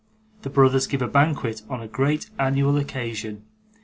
The brothers give a Banquet on a great Annual Occasion.